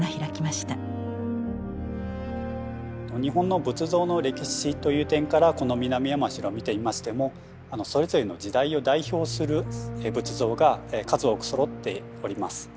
日本の仏像の歴史という点からこの南山城を見てみましてもそれぞれの時代を代表する仏像が数多くそろっております。